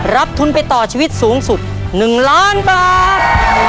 รับทุนไปต่อชีวิตสูงสุด๑ล้านบาท